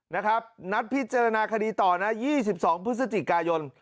นะครับนัดพิจารณาคดีต่อนะ๒๒พย